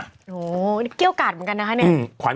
โอ้โหเกี้ยวกาดเหมือนกันนะคะเนี่ย